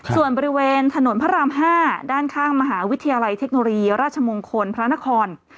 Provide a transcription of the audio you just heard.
ส่วนบริเวณถนนพระราม๕ด้านข้างมหาวิทยาลัยเทคโนโลยีราชมงคลพระนคร